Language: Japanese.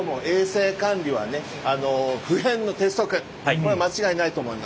これは間違いないと思います。